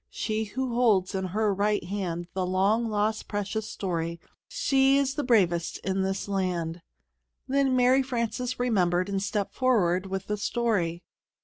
She who holds in her right hand The long lost precious story; She's the bravest in this land. Then Mary Frances remembered, and stepped forward with the story.